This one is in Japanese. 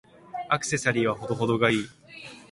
アクセサリーは程々が良い。